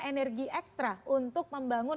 energi ekstra untuk membangun